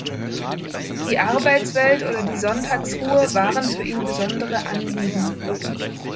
Die Arbeitswelt oder die Sonntagsruhe waren für ihn besondere Anliegen.